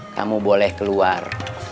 kamu boleh keluar